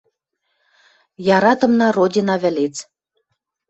Яратымна родина вӹлец.